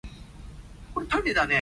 昂首挺胸